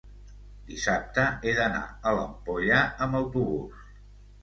dissabte he d'anar a l'Ampolla amb autobús.